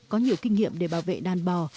có nhiều kinh nghiệm để bảo vệ đàn bò